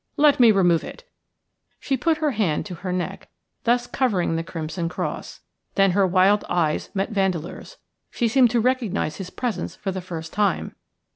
Let me remove it." She put up her hand to her neck, thus covering the crimson cross. Then her wild eyes met Vandeleur's. She seemed to recognise his presence for the first time.